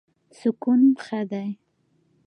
سکون ښه دی.